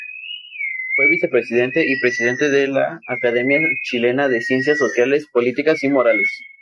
Fue Vicepresidente y Presidente de la Academia Chilena de Ciencias Sociales, Políticas y Morales.